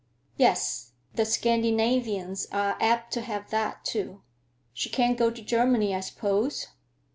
"Yes; the Scandinavians are apt to have that, too. She can't go to Germany, I suppose?"